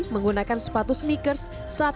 menggunakan sepatu sneakers saat